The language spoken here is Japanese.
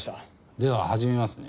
では始めますね。